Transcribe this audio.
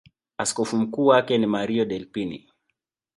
Askofu mkuu wake ni Mario Delpini.